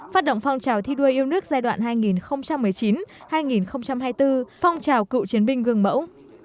phát động phong trào thi đua yêu nước giai đoạn hai nghìn một mươi chín hai nghìn hai mươi bốn phong trào cựu chiến binh gương mẫu